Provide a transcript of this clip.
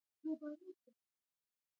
افغانستان د آب وهوا د ساتنې لپاره قوانین لري.